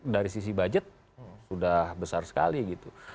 dari sisi budget sudah besar sekali gitu